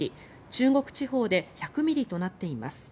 中国地方で１００ミリとなっています。